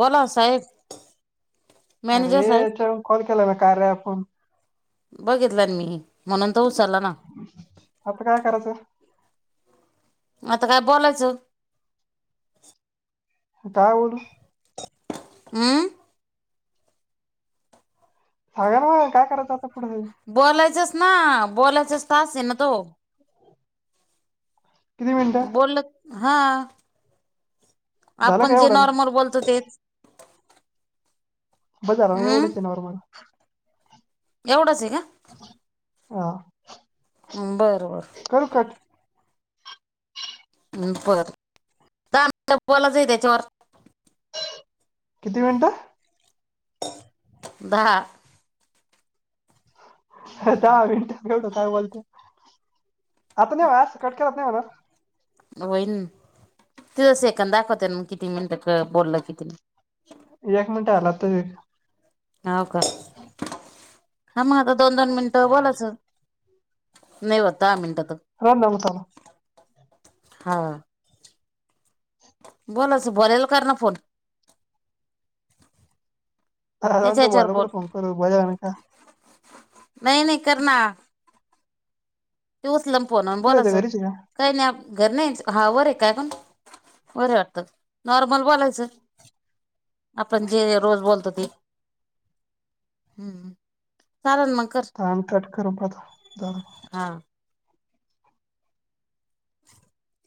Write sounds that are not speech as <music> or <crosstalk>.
बोला साहेब. मॅनेजर साहेब आरे तेव्हा कॉल केला होता कार्या ॲप होऊन. बघितलं ना मी, म्हणून तर उचलला ना. आता काय करायचं? मग आता काय, बोलायच. कुठं हाय बोलू? उम्म. <inaudible> बोलायचस ना बोलायचच तास आहे ना तो. किती मिनिटं बोल हा.. झालं आपण का जे एवढं ना नॉर्मल बोलतो तेच.. हम्म <inaudible> एवढंच आहे का? हो. बरं बर.. कर कट. बर.. दहा मिनिट बोलाच आहे त्याच्यावर किती मिनिटं? दहा. दहा मिनिटं एवढं काय बोलत, आता नाही हो कट केल्यावर नाही चालत. होईन तिथ सेकंद दाखवते म किती मिनटं बोललं किती. एक मिनट आला आता एक मिनिट.. हाव का? हम.. हा मग आता दोन दोन मिनिटं बोलाचं. नाही हो दहा मिनटात राहून ना मग चालू हा. बोलाच, बोलायला कर ना फोन.. त्याच्या याच्यावर बोल <inaudible> नाही, नाही, कर ना. ते उचल म फोन कुठे ते बोलायचं, घरीच आहे का काही नाही घर नाही हा वर आहे. काय पण बरे वाटतं, नॉर्मल बोलायचं, आपण जे रोज बोलतो ते हम्म कारण मग. कर <inaudible> हा <unintelligible>